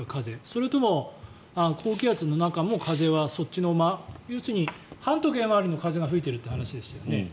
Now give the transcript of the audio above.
それとも高気圧の中も風はそっちの要するに反時計回りの風が吹いているという話でしたよね。